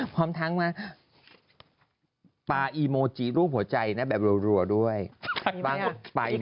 ปลาอีโมจิรูปหัวใจแบบรัวด้วยฟังปลาอีโมจิ